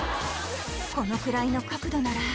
このくらいの角度なら。